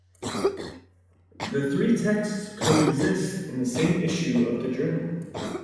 The three texts coexist in the same issue of the journal.